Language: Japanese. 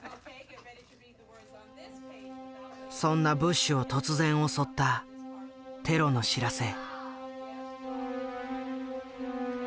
そんなブッシュを突然襲ったテロの知らせ。